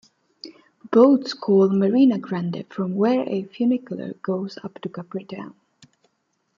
Boats call Marina Grande, from where a funicular goes up to Capri town.